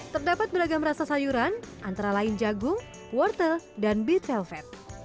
terdapat beragam rasa sayuran antara lain jagung wortel dan beat velvet